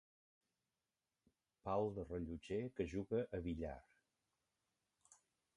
Pal de rellotger que juga a billar.